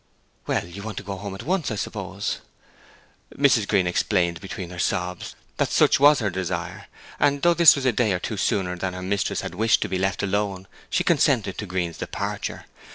'Well, you want to go home at once, I suppose?' Mrs. Green explained, between her sobs, that such was her desire; and though this was a day or two sooner than her mistress had wished to be left alone she consented to Green's departure.